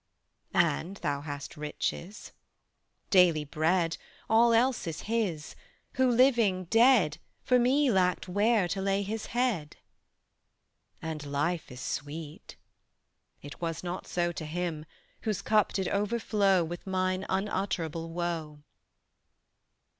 "And thou hast riches." "Daily bread: All else is His; Who living, dead, For me lacked where to lay His Head." "And life is sweet." "It was not so To Him, Whose Cup did overflow With mine unutterable woe."